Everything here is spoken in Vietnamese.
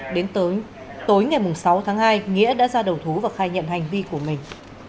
đến tối ngày sáu tháng hai nghĩa đã ra đầu thú và khai nhận hành vi của mình